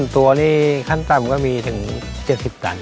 ตัวนี้ขั้นต่ำก็มีถึง๗๐ตัน